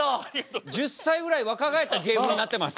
１０歳ぐらい若返った芸風になってます。